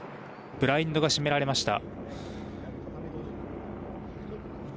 ブラインドが閉められました。